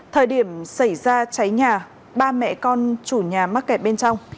thời điểm xảy ra cháy nhà ba mẹ con chủ nhà mắc kẹt bên trong